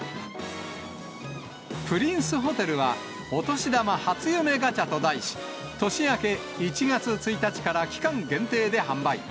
プリンスホテルは、お年玉初夢ガチャと題し、年明け１月１日から期間限定で販売。